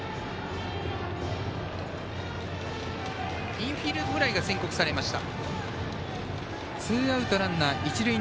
インフィールドフライが宣告されました。